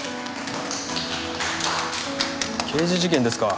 刑事事件ですか。